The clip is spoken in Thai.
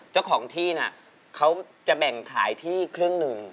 เจ้าของที่น่ะเขาจะแบ่งขายที่ครึ่งหนึ่ง